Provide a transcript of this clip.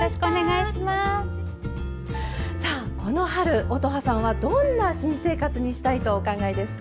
さあこの春乙葉さんはどんな新生活にしたいとお考えですか？